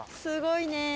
すごいね。